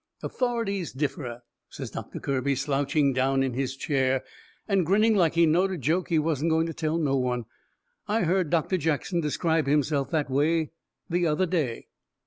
"Authorities differ," says Doctor Kirby, slouching down in his chair, and grinning like he knowed a joke he wasn't going to tell no one. "I heard Doctor Jackson describe himself that way the other day."